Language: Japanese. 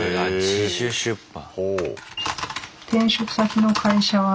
自主出版。